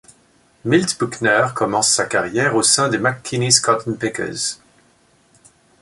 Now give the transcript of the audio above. Milt Buckner commence sa carrière au sein des McKinney's Cotton Pickers.